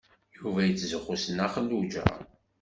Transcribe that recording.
Yuba yettzuxxu s Nna Xelluǧa.